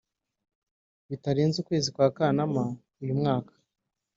bitarenze ukwezi kwa Kanama uyu mwaka